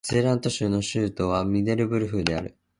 ゼーラント州の州都はミデルブルフである